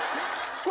これ。